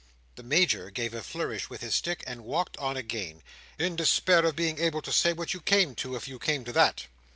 The Major gave a flourish with his stick and walked on again, in despair of being able to say what you came to, if you came to that.